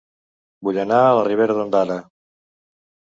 Vull anar a Ribera d'Ondara